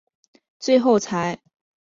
最后才给予神父的身分。